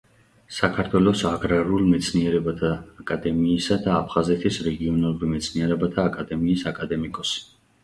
საქართველოს აგრარულ მეცნიერებათა აკადემიისა და აფხაზეთის რეგიონალური მეცნიერებათა აკადემიის აკადემიკოსი.